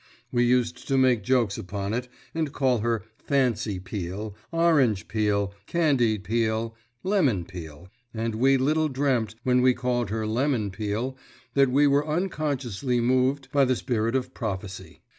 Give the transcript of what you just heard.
We used to make jokes upon it, and call her Fancy Peel, Orange Peel, Candied Peel, Lemon Peel and we little dreamt, when we called her Lemon Peel, that we were unconsciously moved by the spirit of prophecy.